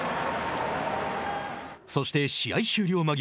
そして試合終了間際。